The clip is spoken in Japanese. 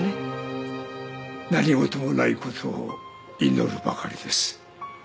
何事もないことを祈るばかりです。